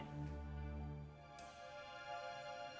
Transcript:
nggak ada salahnya kita terima